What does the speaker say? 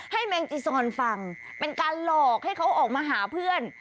แมงจีซอนฟังเป็นการหลอกให้เขาออกมาหาเพื่อน